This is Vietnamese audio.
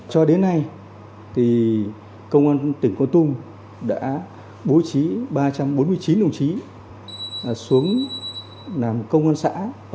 cho đến nay công an tỉnh con tum đã bố trí ba trăm bốn mươi chín đồng chí xuống làm công an xã